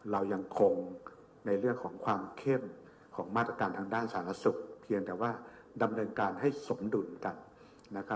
เรายังคงในเรื่องของความเข้มของมาตรการทางด้านสาธารณสุขเพียงแต่ว่าดำเนินการให้สมดุลกัน